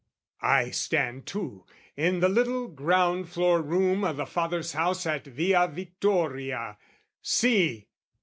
I stand too in the little ground floor room O' the father's house at Via Vittoria: see!